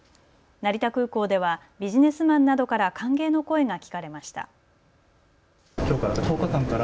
成田空港ではビジネスマンなどから歓迎の声が聞かれました。